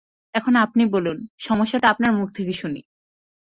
এখন আপনি বলুন, সমস্যাটা আপনার মুখ থেকে শুনি।